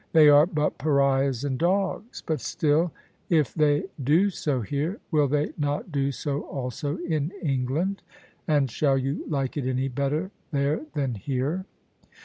They are but pariahs and dogs. But still, if they do so here, will they not do so also in England ; and shall you like it any better there than here?